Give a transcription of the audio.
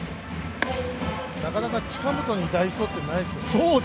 なかなか近本に代走って、ないですよね。